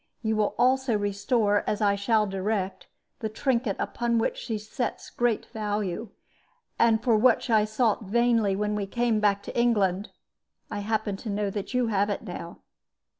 You will also restore, as I shall direct, the trinket upon which she sets great value, and for which I sought vainly when we came back to England. I happen to know that you have it now.